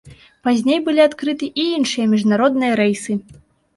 Пазней былі адкрыты і іншыя міжнародныя рэйсы.